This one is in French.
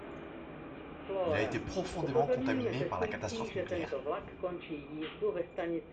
Il a été profondément contaminé par la catastrophe nucléaire.